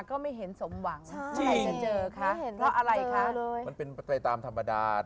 ก็ไม่เห็นสมหวังจริงไม่เห็นเจอค่ะแล้วอะไรค่ะมันเป็นใต้ตามธรรมดา